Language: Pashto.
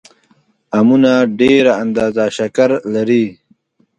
امونه ډېره اندازه شکر لري